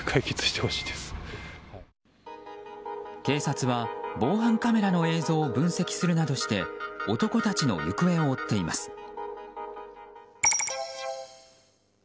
警察は防犯カメラの映像を分析するなどして男たちの行方を追っています。